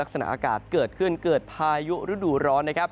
ลักษณะอากาศเกิดขึ้นเกิดพายุฤดูร้อนนะครับ